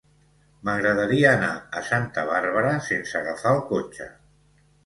M'agradaria anar a Santa Bàrbara sense agafar el cotxe.